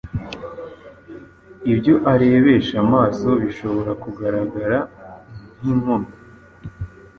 Ibyo arebesha amaso bishobora kugaragara nk’inkomyi